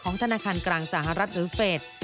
ธนาคารกลางสหรัฐหรือเฟส